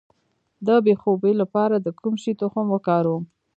د بې خوبۍ لپاره د کوم شي تخم وکاروم؟